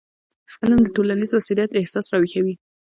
علم د ټولنیز مسؤلیت احساس راویښوي.